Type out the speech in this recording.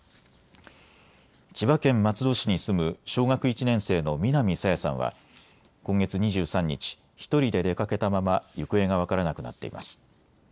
千葉県松戸市に住む小学１年生の南朝芽さんは今月２３日、１人で出かけたまま行方が分からなくなっています。